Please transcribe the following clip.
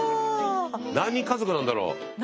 何人家族なんだろう？